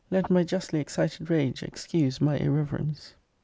Let my justly excited rage excuse my irreverence.